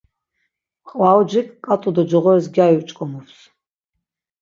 Qvaucik ǩat̆u do coğoris gyari uç̌ǩomups.